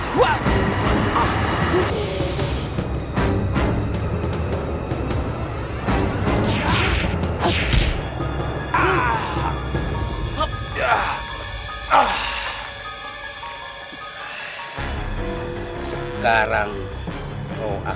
pasti mascara jehova